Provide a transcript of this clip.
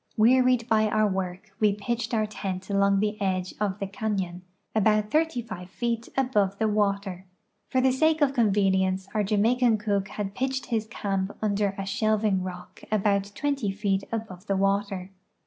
Wearied by our work, we j>itched our tent .along the edge of the canon about thirty five feet aVjove the water. For the sake of convenience our Jamaican cook had l)itched his camp under a shelving rock about twent}' feet above the water.